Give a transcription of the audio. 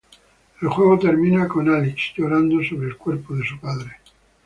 El juego termina con Alyx llorando sobre el cuerpo de su padre.